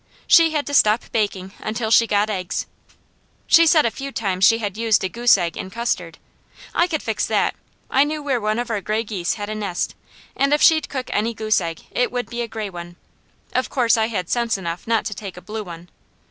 She had to stop baking until she got eggs. She said a few times she had used a goose egg in custard. I could fix that. I knew where one of our gray geese had a nest, and if she'd cook any goose egg, it would be a gray one. Of course I had sense enough not to take a blue one.